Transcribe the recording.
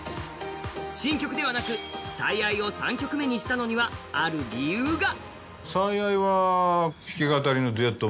新曲ではなく「最愛」を３曲目にしたのには、ある理由が。